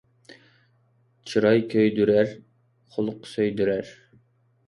چىراي كۆيدۈرەر، خۇلق سۆيدۈرەر